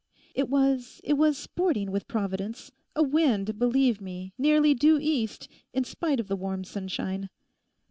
'It was, it was sporting with Providence—a wind, believe me, nearly due east, in spite of the warm sunshine.